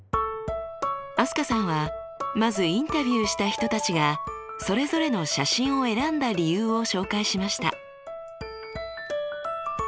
飛鳥さんはまずインタビューした人たちがそれぞれの写真を選んだ理由を紹介しました。